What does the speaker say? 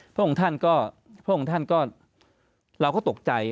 พระองค์ท่านก็พระองค์ท่านก็เราก็ตกใจ